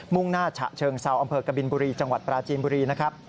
่งหน้าฉะเชิงเซาอำเภอกบินบุรีจังหวัดปราจีนบุรีนะครับ